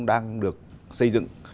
đang được xây dựng